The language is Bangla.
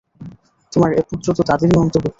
তোমার এ পুত্র তো তাদেরই অন্তর্ভুক্ত।